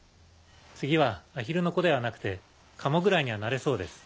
次はアヒルの子ではなくてカモぐらいにはなれそうです。